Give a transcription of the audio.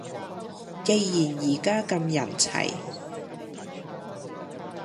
既然而家咁人齊